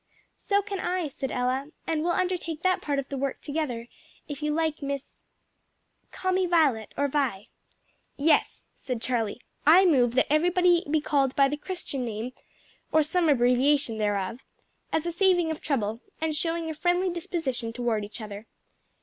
"So can I," said Ella, "and we'll undertake that part of the work together, if you like, Miss " "Call me Violet or Vi." "Yes," said Charlie. "I move that everybody be called by the Christian name or some abbreviation thereof as a saving of trouble, and showing a friendly disposition toward each other."